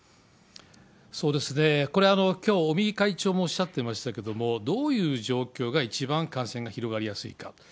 これ、きょう、尾身会長もおっしゃっていましたけれども、どういう状況が、一番感染が広がりやすいか。